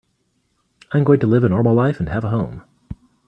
I'm going to live a normal life and have a home.